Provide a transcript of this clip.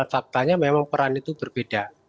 faktanya memang peran itu berbeda